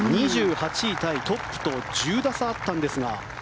２８位タイトップと１０打差あったんですが。